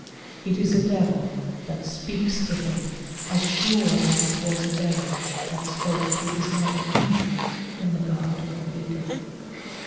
It is a devil that speaks to him as sure as it was a devil that spoke to his mother Eve in the Garden of Eden.